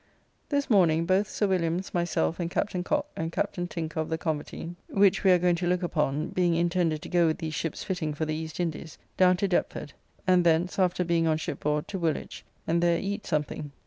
This morning, both Sir Williams, myself, and Captain Cocke and Captain Tinker of the Convertine, which we are going to look upon (being intended to go with these ships fitting for the East Indys), down to Deptford; and thence, after being on shipboard, to Woolwich, and there eat something.